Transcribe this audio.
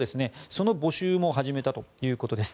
その募集も始めたということです。